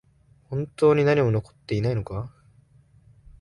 本当に何も残っていないのか？